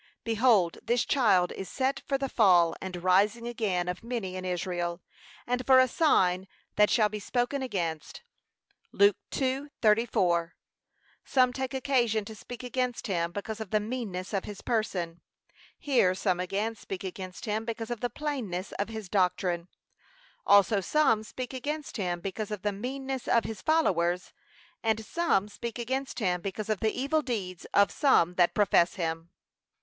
'Behold, this child is set for the fall and rising again of many in Israel; and for a sign that shall be spoken against.' (Luke 2:34) Some take occasion to speak against him, because of the meanness of his person; here some again speak against him, because of the plainness of his doctrine; also some speak against him, because of the meanness of his followers; and some speak against him, because of the evil deeds of some that profess him.